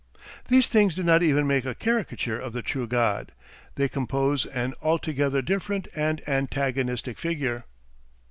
These things do not even make a caricature of the True God; they compose an altogether different and antagonistic figure.